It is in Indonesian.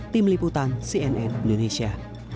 tim liputan cnn indonesia